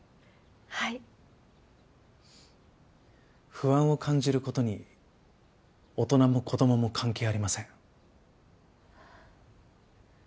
不安を感じる事に大人も子どもも関係ありません。